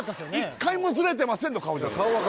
１回もズレてませんの顔じゃん